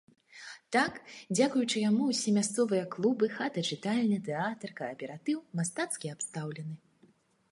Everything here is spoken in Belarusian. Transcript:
Так, дзякуючы яму ўсе мясцовыя клубы, хата-чытальня, тэатр, кааператыў мастацкі абстаўлены.